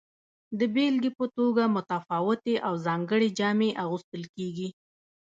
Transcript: د بیلګې په توګه متفاوتې او ځانګړې جامې اغوستل کیږي.